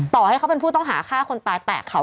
ถ้าเป็นผู้ต้องหาค่าคนตายแตะเขา